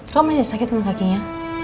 kamu masih sakit kan kakinya